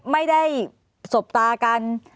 ไม่ได้สบตากัน